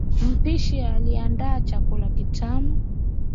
Mpishi aliandaa chakula kitamu